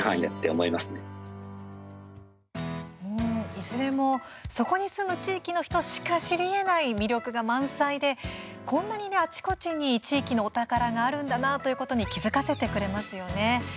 いずれもそこの地域に住む人しか知りえない魅力が満載でこんなにあちこちに地域のお宝があるんだなということに気付かせてくれますよね。